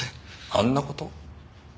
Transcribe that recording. あんな事？